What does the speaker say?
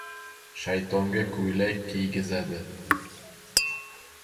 • Shaytonga ko‘ylak kiygizadi.